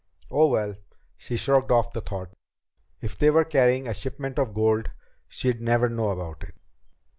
Oh, well ! She shrugged off the thought. If they were carrying a shipment of gold, she'd never know about it.